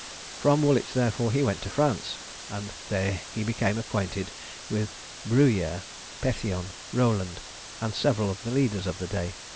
From Woolwich therefore he went to France; and there he became acquainted with Beruyer, Péthion, Roland, and several of the leaders of the day.